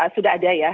sudah ada ya